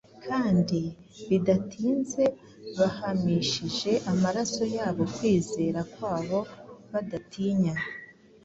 kandi bidatinze bahamishije amaraso yabo kwizera kwabo badatinya.